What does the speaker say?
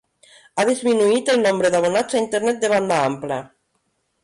Ha disminuït el nombre d'abonats a Internet de banda ampla.